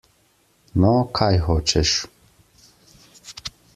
No, kaj hočeš?